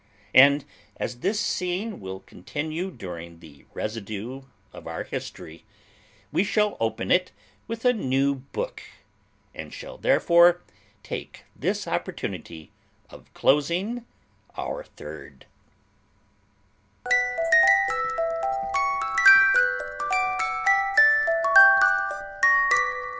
And as this scene will continue during the residue of our history, we shall open it with a new book, and shall therefore take this opportunity of closing our third.